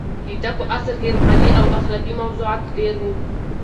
د ده په عصر کې روحاني او اخلاقي موضوعات ډېر وو.